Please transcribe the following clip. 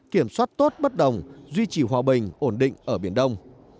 kiểm soát tốt bất đồng duy trì hòa bình ổn định ở biển đông